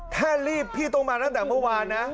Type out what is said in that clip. ถ้ารีบพี่ต้องมาตั้งแต่เมื่อวานนะ